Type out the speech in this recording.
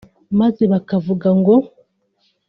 Maze bakavuga ngo